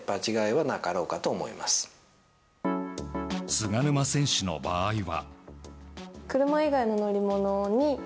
菅沼選手の場合は。